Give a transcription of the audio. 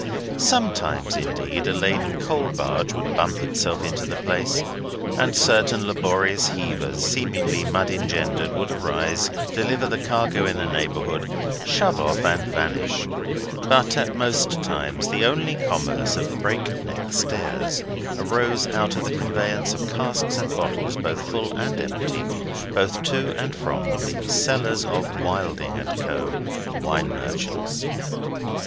Sometimes, indeed, a laden coal barge would bump itself into the place, and certain laborious heavers, seemingly mud engendered, would arise, deliver the cargo in the neighbourhood, shove off, and vanish; but at most times the only commerce of Break Neck Stairs arose out of the conveyance of casks and bottles, both full and empty, both to and from the cellars of Wilding & Co., Wine Merchants.